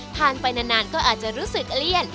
ไปนานก็อาจจะรู้สึกเลี่ยน